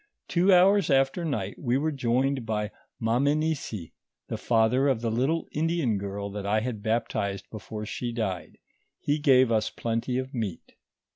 Two hours after night, M'e were joined by Mamenisi, the father of the little Indian girl that I had baptized before she died ; he gave us plenty of meat.